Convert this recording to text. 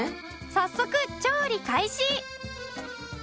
早速調理開始！